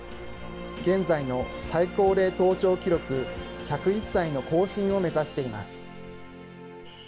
現在の最高齢登頂記録１０１歳の更新を目指しています。